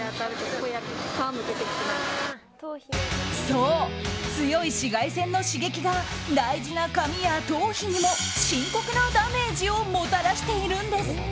そう、強い紫外線の刺激が大事な髪や頭皮にも深刻なダメージをもたらしているんです。